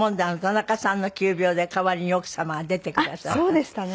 そうでしたね